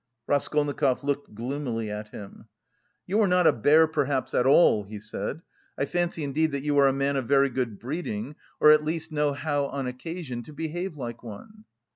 Raskolnikov looked gloomily at him. "You are not a bear, perhaps, at all," he said. "I fancy indeed that you are a man of very good breeding, or at least know how on occasion to behave like one."